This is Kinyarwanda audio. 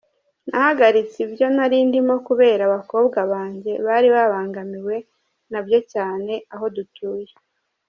Nahagaritse ibyo nari ndimo kubera abakobwa banjye, bari babangamiwe nabyo cyane aho dutuye.